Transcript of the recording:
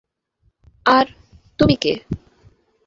আর তুমি কে?